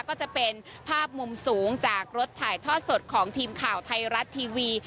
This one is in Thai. ก็จะเป็นภาพมุมสูงจากรถถ่ายทอดสดของทีมข่าวไทยรัฐทีวี